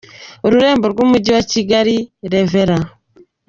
Ururembo rw’Umujyi wa Kigali : Rev.